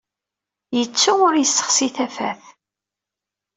Yettu ur yessexsi tafat.